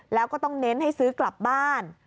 แล้วก็ต้องเน้นให้ซื้อกลับบ้าน